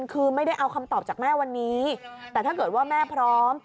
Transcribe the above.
คือไม่ได้เอาคำตอบจากแม่วันนี้แต่ถ้าเกิดว่าแม่พร้อม